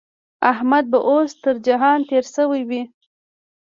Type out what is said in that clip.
احمد به اوس تر جهان تېری شوی وي.